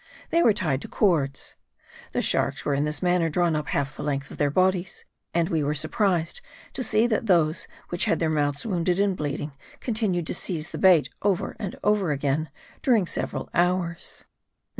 they were tied to cords: the sharks were in this manner drawn up half the length of their bodies; and we were surprised to see that those which had their mouths wounded and bleeding continued to seize the bait over and over again during several hours.